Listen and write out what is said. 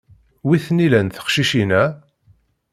Wi tent-illan teqcicin-a?